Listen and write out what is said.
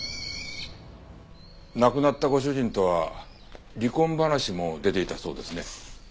亡くなったご主人とは離婚話も出ていたそうですね。